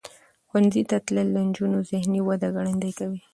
ښوونځي ته تلل د نجونو ذهنی وده ګړندۍ کوي.